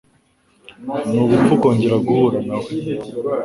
Ni ubupfu kongera guhura na we.